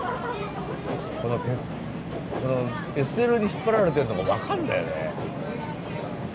このＳＬに引っ張られてるのが分かんだよね。